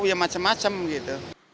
ya macam macam gitu